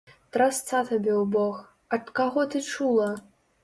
Трасца табе ў бок, ад каго ты чула?